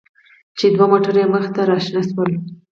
چې دوه موټره يې مخې ته راشنه شول.